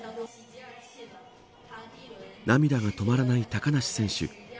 涙が止まらない高梨選手。